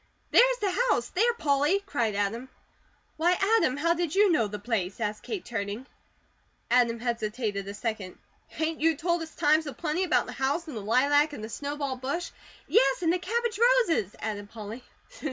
"There's the house, there, Polly!" cried Adam. "Why, Adam, how did you know the place?" asked Kate, turning. Adam hesitated a second. "Ain't you told us times a plenty about the house and the lilac, and the snowball bush " "Yes, and the cabbage roses," added Polly.